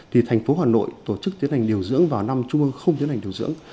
thì thành phố hà nội tổ chức tiến hành điều dưỡng vào năm trung ương không tiến hành điều dưỡng